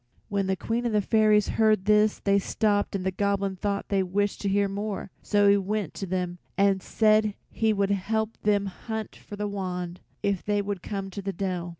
When the Queen and the fairies heard this they stopped and the Goblin thought they wished to hear more, so he went to them and said he would help them hunt for the wand, if they would come to the dell.